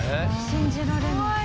「信じられない」